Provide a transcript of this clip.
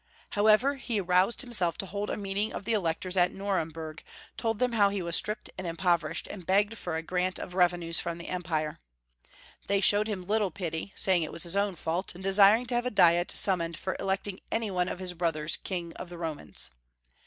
However, he roused himself to hold a meeting of the Electors at Nuremburg, told them how he was stripped and impoverished, and begged for a grant of revenues from the Empire. They showed him little pity, saying it was his own fault, and desiring to have a diet summoned for Electing any one of his brothers King of the Romans.